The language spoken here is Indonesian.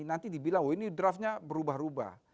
nanti dibilang oh ini draftnya berubah ubah